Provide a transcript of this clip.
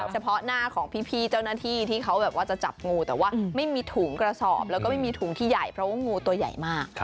เฉพาะหน้าของพี่เจ้าหน้าที่ที่เขาแบบว่าจะจับงูแต่ว่าไม่มีถุงกระสอบแล้วก็ไม่มีถุงที่ใหญ่เพราะว่างูตัวใหญ่มาก